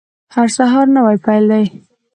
هر سهار نوی پیل دی